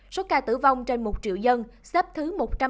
số ca tử vong trên một triệu dân xếp thứ một trăm ba mươi bốn